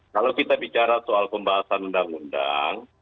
kalau kita bicara soal pembahasan undang undang